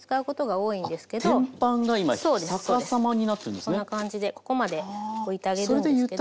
こんな感じでここまで置いてあげるんですけど。